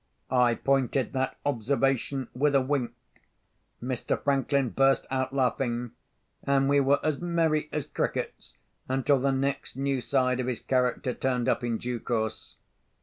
I pointed that observation with a wink. Mr. Franklin burst out laughing—and we were as merry as crickets, until the next new side of his character turned up in due course.